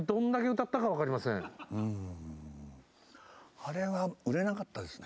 あれは売れなかったですね。